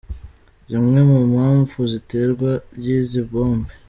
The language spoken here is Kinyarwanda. Zimwe mu mpamvu z’iterwa ry’izi bombe.